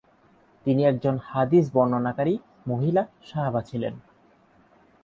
তিনি একজন হাদিস বর্ণনাকারী মহিলা সাহাবা ছিলেন।